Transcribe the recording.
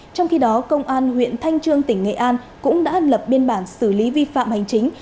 trong khi đó công an huyện thanh trương tỉnh nghệ an cũng đã lập biên bản xử lý vi phạm hành chính